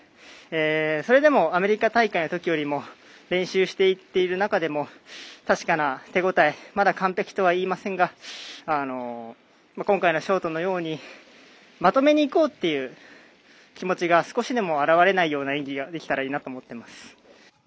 それでもアメリカ大会のときより練習していっている中でも確かな手応えまだ完璧とは言いませんが今回のショートのようにまとめにいこうっていう気持ちが少しでも表れないような演技ができたらいいなと思っています。